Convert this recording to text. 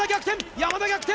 山田、逆転！